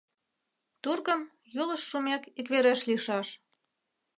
Тургым, Юлыш шумек, иквереш лийшаш.